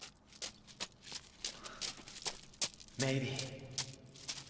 メイビー。